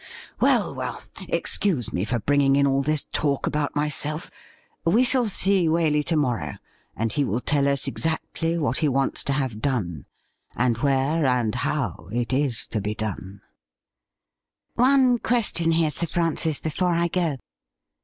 Well, well, excuse me for bringing in all this talk about myself. We shall see Waley to morrow, and he will tell us exactly what he wants to have done, and where and how it is to be done.' 166 THE RIDDLE RING ' One question here, Sir Francis, before I go.'